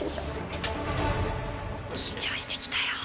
緊張してきたよ。